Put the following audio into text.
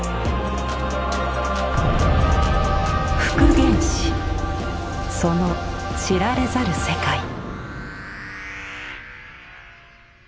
復元師その知られざる世界。